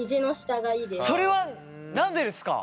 それは何でですか！